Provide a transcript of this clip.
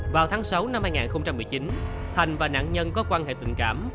vào tháng sáu năm hai nghìn một mươi chín thành và nạn nhân có quan hệ tình cảm